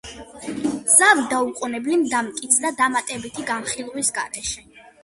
ზავი დაუყოვნებლივ დამტკიცდა, დამატებითი განხილვის გარეშე.